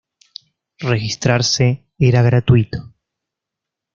Registrarse era gratuito.